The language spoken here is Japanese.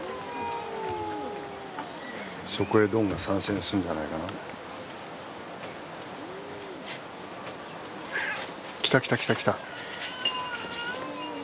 そこへドンが参戦するんじゃないかな。来た来た来た来た。